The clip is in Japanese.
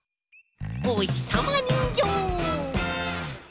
おひさまにんぎょう！